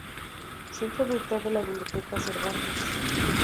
Centro Virtual de la Biblioteca Cervantes.